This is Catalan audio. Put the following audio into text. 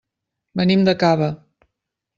Venim de Cava.